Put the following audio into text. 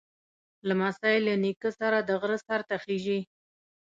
لمسی له نیکه سره د غره سر ته خېږي.